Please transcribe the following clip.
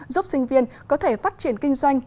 giúp sinh viên có thể phát triển kinh doanh